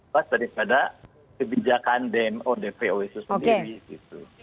pas daripada kebijakan dmo dpo itu sendiri gitu